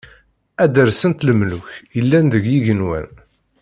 Ad d-rsent lemluk, yellan deg yigenwan.